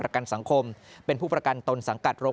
เพราะว่าเราอยู่ในเครือโรงพยาบาลกรุงเทพฯนี่ก็เป็นในระดับโลก